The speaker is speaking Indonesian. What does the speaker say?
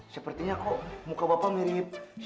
sepertinya kok muka bapak mirip